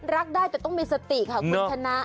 รักได้แต่ต้องมีสติค่ะคุณชนะ